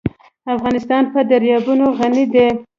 افغانستان په دریابونه غني دی.